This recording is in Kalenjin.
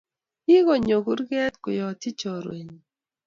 kigonygony kurget koyatyi chorwet nyii